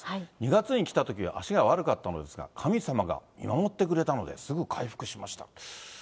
２月に来たときは足が悪かったのですが、神様が見守ってくれたので、すぐに回復しました。